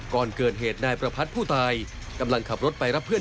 ก่อนเกิดเหตุนายประพัทธ์ผู้ตายกำลังขับรถไปรับเพื่อน